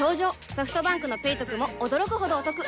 ソフトバンクの「ペイトク」も驚くほどおトク